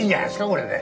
これで。